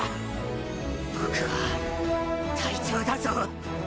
僕は隊長だぞ。